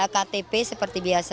ktp seperti biasa